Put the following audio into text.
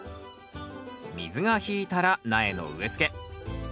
水が引いたら苗の植えつけ